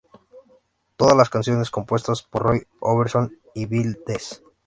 Todas las canciones compuestas por Roy Orbison y Bill Dees.